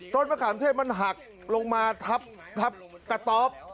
มะขามเทศมันหักลงมาทับกระต๊อบ